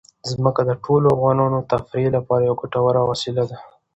ځمکه د ټولو افغانانو د تفریح لپاره یوه ګټوره وسیله ده.